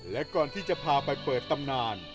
และก่อนที่จะพาไปเปิดตำนาน